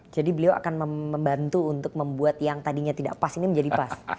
jadi beliau akan membantu untuk membuat yang tadinya tidak pas ini menjadi pas